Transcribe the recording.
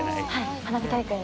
花火大会の。